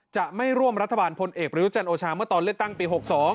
จะไม่ร่วมรัฐบาลพลเอกประยุจันทร์โอชาเมื่อตอนเลือกตั้งปี๖๒